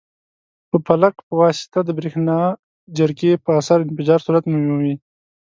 په پلک په واسطه د برېښنا جرقې په اثر انفجار صورت مومي.